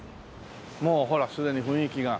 もうほらすでに雰囲気が。